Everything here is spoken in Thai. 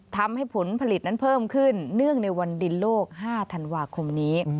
ผลผลิตนั้นเพิ่มขึ้นเนื่องในวันดินโลก๕ธันวาคมนี้